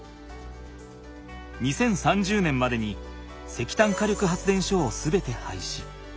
２０３０年までに石炭火力発電所を全てはいし。